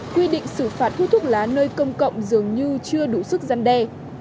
quy định xử phạt hút thuốc lá nơi công cộng dường như chưa đủ sức gian đe